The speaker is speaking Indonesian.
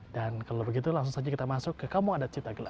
dan kalau begitu langsung saja kita masuk ke kampung adat cipta gelar